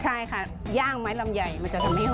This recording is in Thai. ใช่ค่ะย่างไม้ลำไยมันจะทำให้